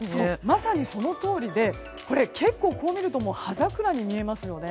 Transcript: まさにそのとおりで結構、こう見ると葉桜に見えますよね。